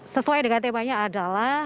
sesuai dengan temanya adalah